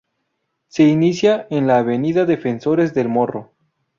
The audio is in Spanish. Se inicia en la avenida Defensores del Morro.